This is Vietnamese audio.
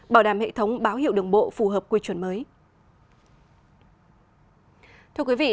bảo đảm hệ thống báo hiệu đường bộ phù hợp quy chuẩn mới